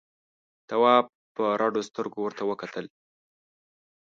تواب په رډو سترګو ورته وکتل.